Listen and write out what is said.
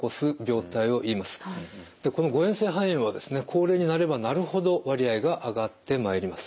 でこの誤嚥性肺炎は高齢になればなるほど割合が上がってまいります。